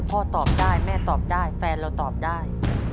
พ่อตอบได้แม่ตอบได้แฟนเราตอบได้